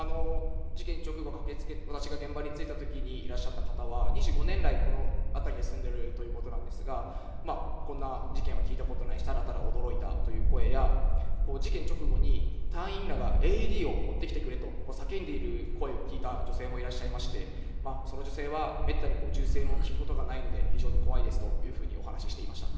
事件直後、私が現場に着いたときにいらっしゃった方は、２５年来、この辺りに住んでるということなんですが、こんな事件は聞いたことないし、ただただ驚いたという声や、事件直後に、隊員らがＡＥＤを持ってきてくれと叫んでいる声を聞いた女性もいらっしゃいまして、その女性はめったに銃声も聞くことがないので、非常に怖いですというふうにお話していました。